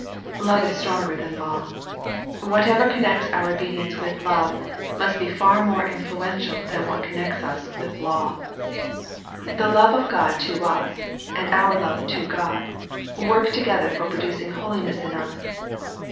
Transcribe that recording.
Love is stronger than law. Whatever connects our obedience with love, must be far more influen tial than what connects us with law. The love of God to us, and our love to God, work together for producing holiness in us.